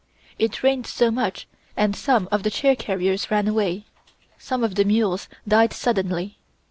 It rained so much and some of the chair carriers ran away. Some of the mules died suddenly.